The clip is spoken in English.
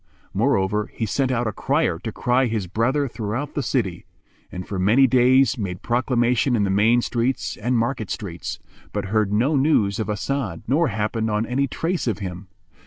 Moreover, he sent out a crier to cry his brother throughout the city, and for many days made proclamation in the main streets and market streets, but heard no news of As'ad nor happened on any trace of him.